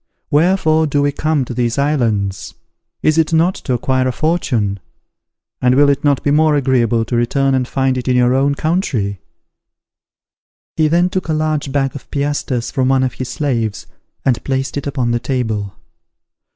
Wherefore do we come to these islands? Is it not to acquire a fortune? And will it not be more agreeable to return and find it in your own country?" He then took a large bag of piastres from one of his slaves, and placed it upon the table.